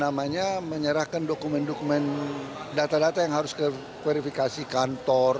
namanya menyerahkan dokumen dokumen data data yang harus ke verifikasi kantor